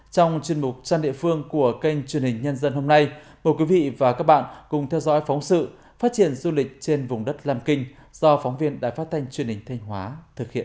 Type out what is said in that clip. trong chuyên mục trang địa phương của kênh truyền hình nhân dân hôm nay mời quý vị và các bạn cùng theo dõi phóng sự phát triển du lịch trên vùng đất lam kinh do phóng viên đài phát thanh truyền hình thanh hóa thực hiện